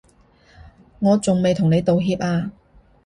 我仲未同你道歉啊